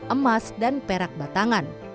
emas dan perak batangan